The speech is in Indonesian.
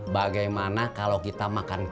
bagaimana kalau kita makan